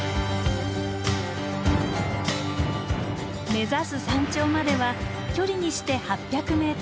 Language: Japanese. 目指す山頂までは距離にして８００ｍほど。